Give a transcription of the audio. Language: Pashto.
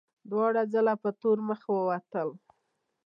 دواړه ځله په تور مخ ووتل.